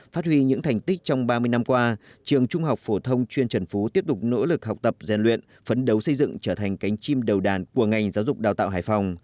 phát huy những thành tích trong ba mươi năm qua trường trung học phổ thông chuyên trần phú tiếp tục nỗ lực học tập gian luyện phấn đấu xây dựng trở thành cánh chim đầu đàn của ngành giáo dục đào tạo hải phòng